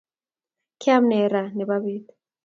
Keam ne raa nebo beet?